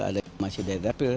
ada yang masih dari dapil